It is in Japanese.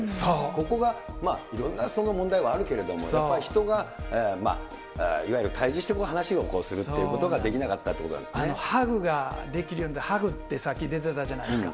ここがいろんな問題はあるけれども、やっぱり人が、いわゆる対じして話をするということができなかったということなハグができるようになった、ハグってさっき出てたじゃないですか。